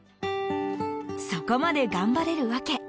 そこまで頑張れる訳。